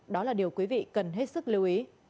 đó là điều quý vị cần hết sức lưu ý